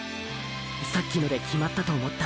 さっきので決まったと思った。